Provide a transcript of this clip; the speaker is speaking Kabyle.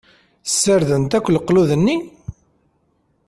Sardent akk leqlud-nni?